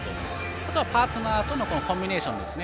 あとは、パートナーとのコミュニケーションですね。